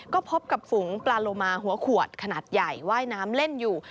ก็พบกับฝูงปลาโลมาหัวขวดขนาดใหญ่ว่ายน้ำเล่นอยู่